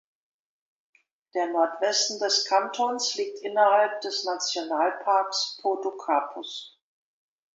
Der Nordwesten des Kantons liegt innerhalb des Nationalparks Podocarpus.